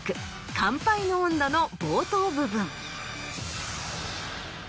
『乾杯の音頭』の冒頭部分。